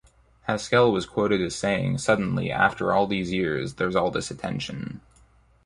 Haskell was quoted as saying, Suddenly, after all these years, there's all this attention.